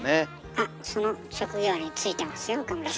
あっその職業に就いてますよ岡村さん。